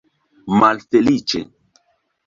malfeliĉe